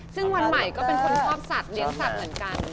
ซึ่งวันใหม่ก็เป็นคนชอบสัตว์เลี้ยงสัตว์เหมือนกัน